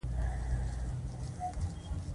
د اسلامي بانکدارۍ وده څنګه ده؟